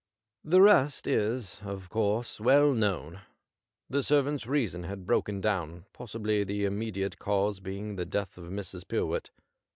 The rest is, of course, well known. The servant's reason had broken down, possibly the immediate cause being the death of Mrs. Pyrwhit.